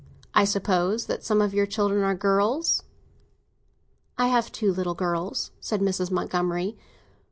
I suppose that some of your children are girls." "I have two little girls," said Mrs. Montgomery.